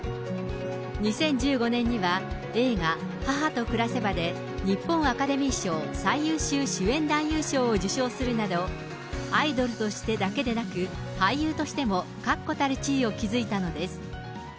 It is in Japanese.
２０１５年には映画、母と暮せばで、日本アカデミー賞最優秀主演男優賞を受賞するなど、アイドルとしてだけでなく、俳優としても確固たる地位を築いたのです。